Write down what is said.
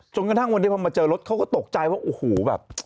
จนกระทั่งวันนี้พอมาเจอรถเขาก็ตกใจว่าโอ้โหแบบ